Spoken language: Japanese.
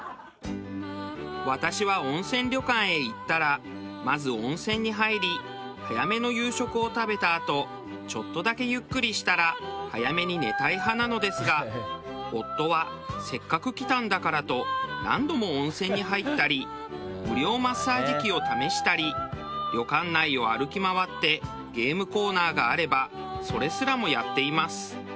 私は温泉旅館へ行ったらまず温泉に入り早めの夕食を食べたあとちょっとだけゆっくりしたら早めに寝たい派なのですが夫はせっかく来たんだからと何度も温泉に入ったり無料マッサージ機を試したり旅館内を歩き回ってゲームコーナーがあればそれすらもやっています。